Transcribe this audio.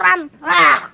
sampai jumpa lagi